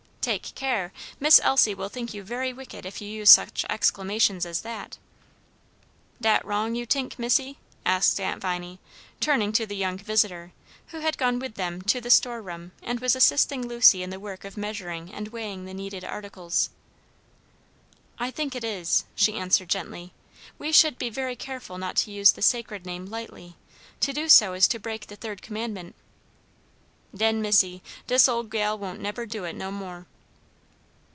"Take care; Miss Elsie will think you very wicked if you use such exclamations as that." "Dat wrong, you t'ink, missy?" asked Aunt Viney, turning to the young visitor, who had gone with them to the store room, and was assisting Lucy in the work of measuring and weighing the needed articles. "I think it is," she answered gently; "we should be very careful not to use the sacred name lightly. To do so is to break the third commandment." "Den, missy, dis ole gal won't neber do it no more."